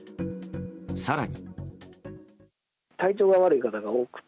更に。